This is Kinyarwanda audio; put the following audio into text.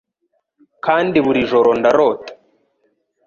Kandi buri joro ndarota